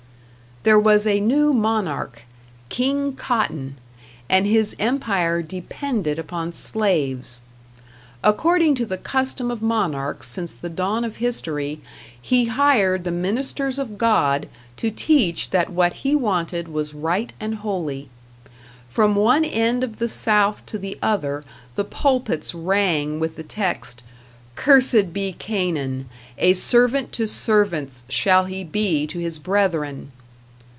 There was a new monarch, King Cotton, and his empire depended upon slaves. According to the custom of monarchs since the dawn of history, he hired the ministers of God to teach that what he wanted was right and holy. From one end of the South to the other the pulpits rang with the text: "Cursed be Canaan; a servant to servants shall he be to his brethren."